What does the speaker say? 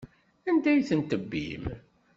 Anda ay ten-tebbim?